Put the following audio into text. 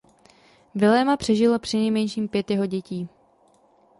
Viléma přežilo přinejmenším pět jeho děti.